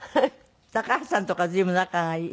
高橋さんとこは随分仲がいい？